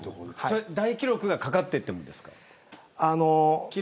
大記録がかかってもですか。